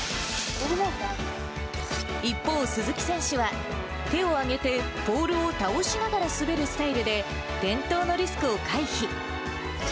一方、鈴木選手は、手を挙げて、ポールを倒しながら滑るスタイルで、転倒のリスクを回避。